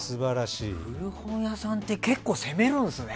古本屋さんって結構、攻めるんですね。